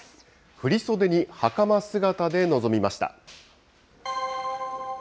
振り袖にはかま姿で臨みました。